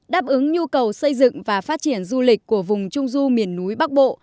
đáp ứng nhu cầu xây dựng và phát triển du lịch của vùng trung du miền núi bắc bộ